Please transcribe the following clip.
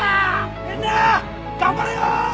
みんな頑張れよ！